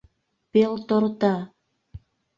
Пелторта!